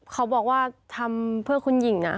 เขาบอกว่าทำเพื่อคุณหญิงนะ